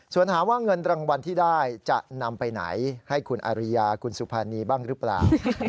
ส่วนถามว่าเงินรางวัลที่ได้จะนำไปไหนให้คุณอาริยาคุณสุภานีบ้างหรือเปล่า